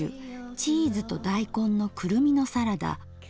「チーズと大根のクルミのサラダ」。